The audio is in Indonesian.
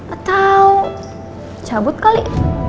atau cabut kali